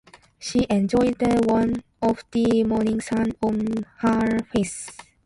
She enjoyed the warmth of the morning sun on her face.